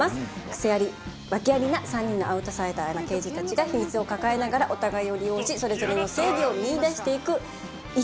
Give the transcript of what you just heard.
癖あり訳ありな３人のアウトサイダーな刑事たちが秘密を抱えながらお互いを利用しそれぞれの正義を見いだしていく異色刑事ドラマです。